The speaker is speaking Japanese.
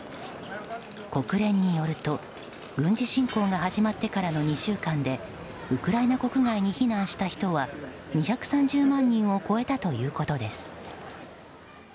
国連によると軍事侵攻が始まってからの２週間でウクライナ国外に避難した人は２３０万人を超えたということです。